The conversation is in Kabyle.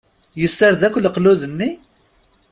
Yessared akk leqlud-nni?